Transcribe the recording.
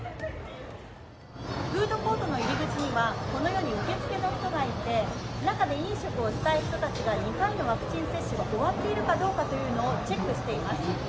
フードコートの入り口には、このように受け付けの人がいて、中で飲食をしたい人たちが２回のワクチン接種が終わっているかどうかというのをチェックしています。